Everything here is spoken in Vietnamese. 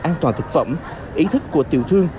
an toàn thực phẩm ý thức của tiểu thương